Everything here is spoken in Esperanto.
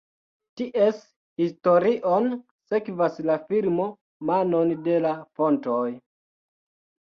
Ties historion sekvas la filmo Manon de la fontoj.